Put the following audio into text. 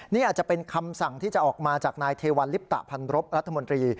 นี่อาจจะเป็นคำสั่งที่จะออกมาจากนายเทวัลลิปตะพันรบรัฐมนตรี